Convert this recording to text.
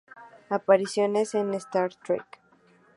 Apariciones en Star Trek